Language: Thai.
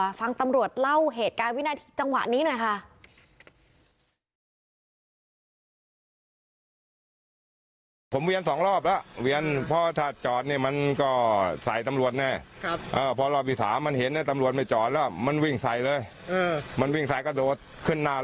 ฟังตำรวจเล่าเหตุการณ์วินาทีจังหวะนี้หน่อยค่ะ